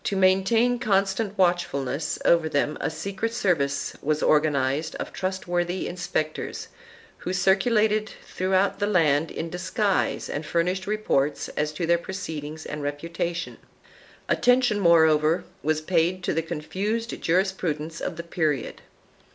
I] ADMINISTRATION OF JUSTICE 27 constant watchfulness over them a secret service was organized of trustworthy inspectors who circulated throughout the land in disguise and furnished reports as to their proceedings and reputation.1 Attention, moreover, was paid to the confused jurisprudence of the period.